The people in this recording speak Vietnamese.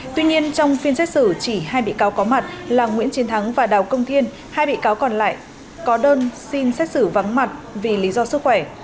tuy nhiên trong phiên xét xử chỉ hai bị cáo có mặt là nguyễn chiến thắng và đào công thiên hai bị cáo còn lại có đơn xin xét xử vắng mặt vì lý do sức khỏe